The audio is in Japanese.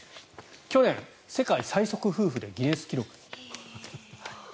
去年世界最速夫婦でギネス記録。